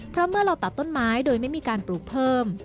เพราะเมื่อเราตัดต้นไม้โดยไม่มีการปลูกเพิ่ม